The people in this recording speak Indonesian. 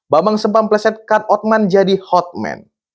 bambang sempam plesetkan otman jadi hotman